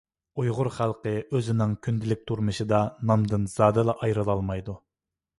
ئۇيغۇر خەلقى ئۆزىنىڭ كۈندىلىك تۇرمۇشىدا ناندىن زادىلا ئايرىلالمايدۇ.